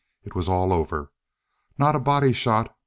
It was all over. Not a body shot.